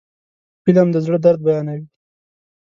فلم د زړه درد بیانوي